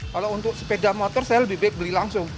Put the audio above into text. kalau untuk sepeda motor saya lebih baik beli langsung